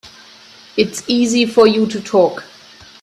It's easy for you to talk.